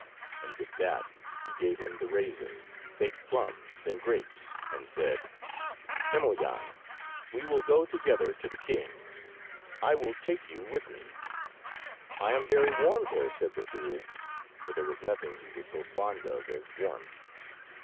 and with that he gave him the raisins, baked plums, and grapes, and said— "Emelyan, we will go together to the king. I will take you with me." "I am very warm here," said the fool, for there was nothing he was so fond of as warmth.